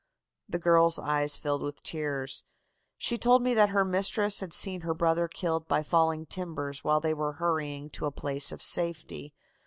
"The girl's eyes filled with tears. She told me that her mistress had seen her brother killed by falling timbers while they were hurrying to a place of safety.